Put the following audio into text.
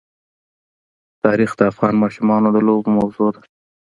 تاریخ د افغان ماشومانو د لوبو موضوع ده.